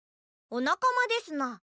おなかまですな。